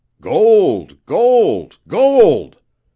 "Gold! Gold! Gold!